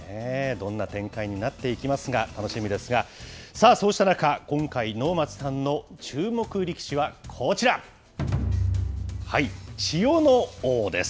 どんな展開になっていきますか、楽しみですが、さあ、そうした中、今回、能町さんの注目力士はこちら、千代ノ皇です。